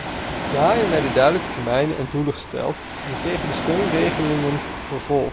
Daarin werden duidelijke termijnen en doelen gesteld en kregen de steunregelingen vervolg.